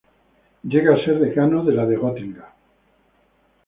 Llega a ser Decano de la de Gotinga.